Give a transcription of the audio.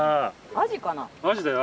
アジだよ